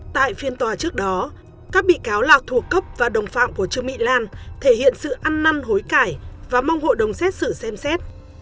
tại phiên tòa trước đó các bị cáo là thuộc cấp và đồng phạm của trương mỹ lan thể hiện sự ăn năn hối cải và mong hội đồng xét xử xem xét